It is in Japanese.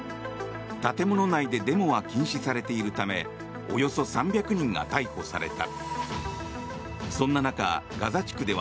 建物内でデモは禁止されているためおよそ３００人が逮捕された。